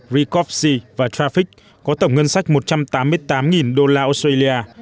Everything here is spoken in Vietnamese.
recopsy và trafic có tổng ngân sách một trăm tám mươi tám đô la australia